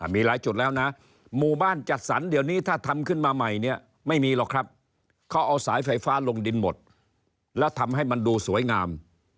มีหลายจุดแล้วนะหมู่บ้านจัดสรรเดี๋ยวนี้ถ้าทำขึ้นมาใหม่เนี่ยไม่มีหรอกครับเขาเอาสายไฟฟ้าลงดินหมดแล้วทำให้มันดูสวยงาม